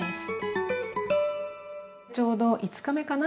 ちょうど５日目かな。